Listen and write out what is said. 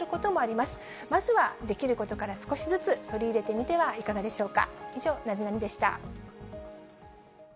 まずはできることから少しずつ取り入れてみてはいかがでしょうか。